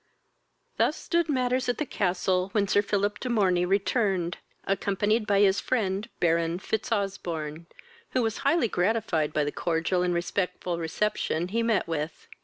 VIII. Thus stood matters at the castle, when Sir Philip de Morney returned, accompanied by his friend, Baron Fitzosbourne, who was highly gratified by the cordial and respectful reception he met with.